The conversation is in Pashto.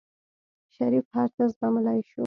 شريف هر څه زغملی شو.